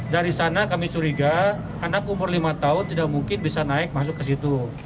dari sana kami curiga anak umur lima tahun tidak mungkin bisa naik masuk ke situ